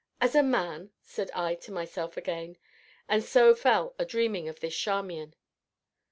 "As a man?" said I to myself again, and so fell a dreaming of this Charmian.